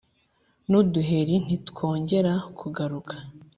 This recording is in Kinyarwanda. n’uduheri nti twongera kugaruka,